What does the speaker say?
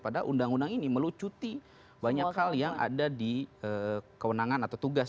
padahal undang undang ini melucuti banyak hal yang ada di kewenangan atau tugas